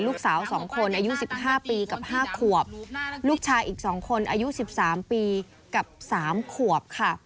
ลูกสาวสองคนอายุสิบห้าปีกับห้าขวบลูกชายอีกสองคนอายุสิบสามปีกับสามขวบค่ะ